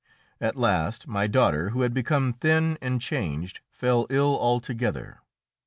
At last my daughter, who had become thin and changed, fell ill altogether.